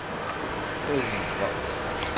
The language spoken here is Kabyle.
Ezḍ.